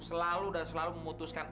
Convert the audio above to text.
selalu dan selalu memutuskan